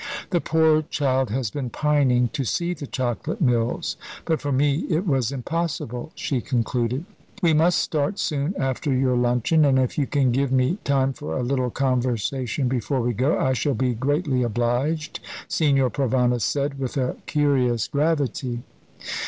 "The poor child has been pining to see the Chocolate Mills; but for me it was impossible," she concluded. "We must start soon after your luncheon; and if you can give me time for a little conversation before we go, I shall be greatly obliged," Signor Provana said, with a curious gravity.